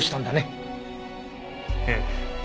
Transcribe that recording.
ええ。